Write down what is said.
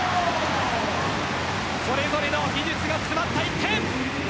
それぞれの技術が詰まった１点。